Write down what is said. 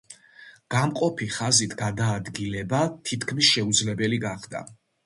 გამყოფი ხაზით გადაადგილება თითქმის შეუძლებელი გახდა.